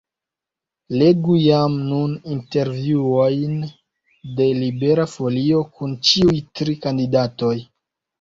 Legu jam nun intervjuojn de Libera Folio kun ĉiuj tri kandidatoj.